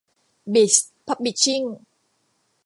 บลิส พับลิชชิ่ง